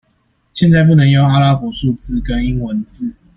現在不能用阿拉伯數字跟英文字